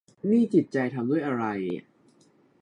นี่จิตใจทำด้วยอะไร